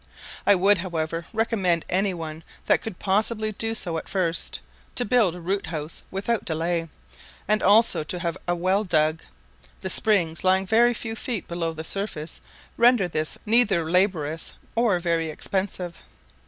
I would, however, recommend any one that could possibly do so at first, to build a root house without delay, and also to have a well dug; the springs lying very few feet below the surface renders this neither laborious or very expensive.